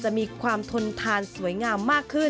จะมีความทนทานสวยงาม